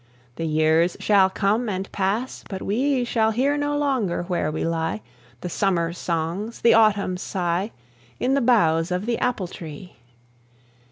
The years shall come and pass, but we Shall hear no longer, where we lie, The summer's songs, the autumn's sigh, In the boughs of the apple tree.